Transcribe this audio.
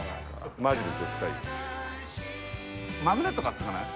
マジで絶対いい。